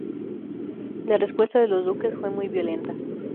La respuesta de los duques fue muy violenta.